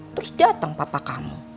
terus datang papa kamu